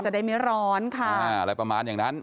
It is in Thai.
ได้ไม่ร้อนค่ะอะไรประมาณอย่างนั้น